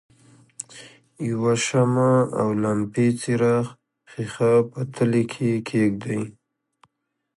یوه شمع او لمپې څراغ ښيښه په تلې کې کیږدئ.